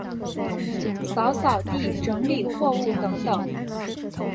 扫扫地、整理货物等等